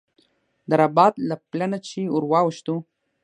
د رباط له پله نه چې ور واوښتو.